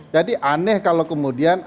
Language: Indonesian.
jadi aneh kalau kemudian